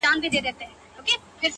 ويل باز به وي حتماً خطا وتلى،